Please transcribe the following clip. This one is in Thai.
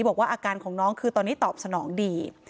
บอกว่าอาการของน้องคือตอนนี้ตอบสนองดี